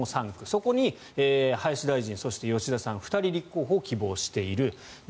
そこに林外務大臣と吉田さんの２人、立候補を希望している。